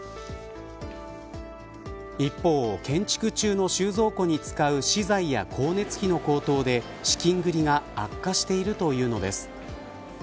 一方、建築中の収蔵庫に使う資材や光熱費の高騰で資金繰りが悪化しているというのです。